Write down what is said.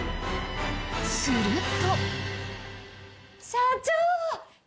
すると。